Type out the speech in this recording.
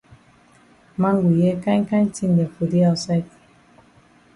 Man go hear kind kind tin dem for di outside.